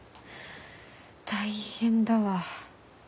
大変だわ。